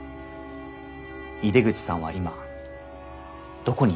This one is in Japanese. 井出口さんは今どこにいますか？